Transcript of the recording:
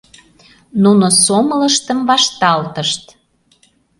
Нуно сомылыштым вашталтышт.